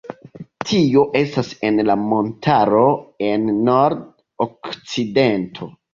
Tio estas en la montaro, en nord-okcidento.